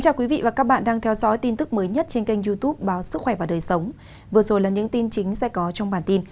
hãy đăng kí cho kênh lalaschool để không bỏ lỡ những video hấp dẫn